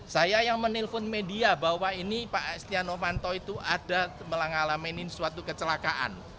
saya yang menelpon media bahwa ini pak setia novanto itu ada mengalami suatu kecelakaan